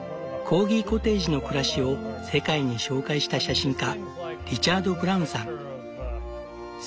コーギコテージの暮らしを世界に紹介した写真家リチャード・ブラウンさん。